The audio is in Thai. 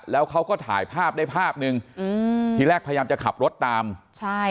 แล้วเขาก็ถ่ายภาพได้ภาพหนึ่งอืมทีแรกพยายามจะขับรถตามใช่